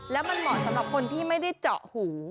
แล้วมันเหมาะสำหรับคนที่ไม่ได้เจาะหู